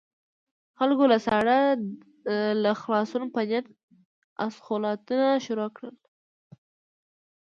خلکو له ساړه د خلاصون په نيت اسخولاتونه شروع کړل.